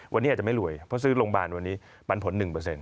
วันนี้อาจจะไม่รวยเพราะซื้อโรงพยาบาลวันนี้ปันผล๑